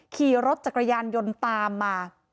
ขี่รถจักรยานยนต์ตามมา